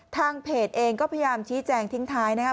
ทางเพจเองก็พยายามชี้แจงทิ้งท้ายนะครับ